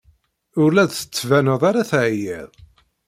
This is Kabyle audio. Ur la d-tettbaneḍ ara teɛyiḍ.